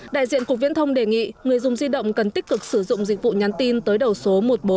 đại diện cục viễn thông đề nghị người dùng di động cần tích cực sử dụng dịch vụ nhắn tin tới đầu số một nghìn bốn trăm bốn